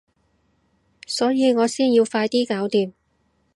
所以我先要快啲搞掂